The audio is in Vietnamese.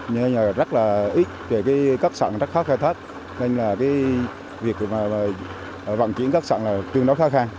nhưng rất là ít các sản rất khó khai thác nên việc vận chuyển các sản là trương đấu khó khăn